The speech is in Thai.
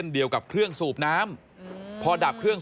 ทางนิติกรหมู่บ้านแจ้งกับสำนักงานเขตประเวท